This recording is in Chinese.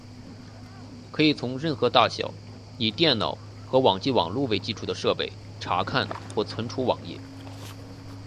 可以从任何大小以电脑和网际网路为基础的设备查看或存取网页。